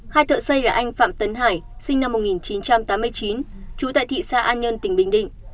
hai thợ xây là anh phạm tấn hải sinh năm một nghìn chín trăm tám mươi chín trú tại thị xã an nhơn tỉnh bình định